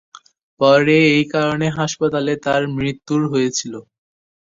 পরে এই কারণে হাসপাতালে তাঁর মৃত্যুর হয়েছিল।